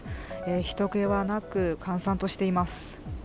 ひと気はなく、閑散としています。